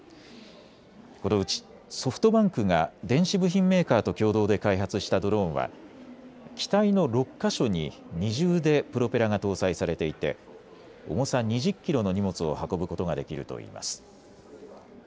このうちソフトバンクが電子部品メーカーと共同で開発したドローンは機体の６か所に二重でプロペラが搭載されていて重さ２０キロの荷物を運ぶことができるといいます。